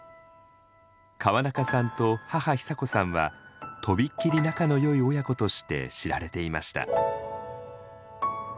川中さんと母久子さんはとびっきり仲のよい親子として知られていました。